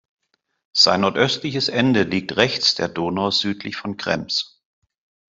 Sein nordöstliches Ende liegt rechts der Donau südlich von Krems.